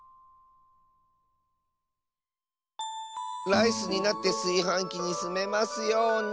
ライスになってすいはんきにすめますように。